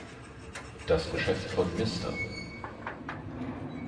Das Geschäft von Mr.